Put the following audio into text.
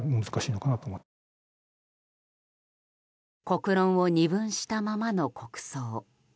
国論を二分したままの国葬。